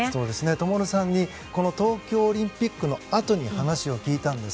灯さんに東京オリンピックのあとに話を聞いたんです。